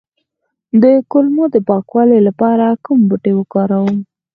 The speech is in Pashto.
د کولمو د پاکوالي لپاره کوم بوټی وکاروم؟